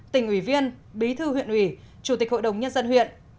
tỉnh ủy viên bí thư huyện ủy chủ tịch hội đồng nhân dân huyện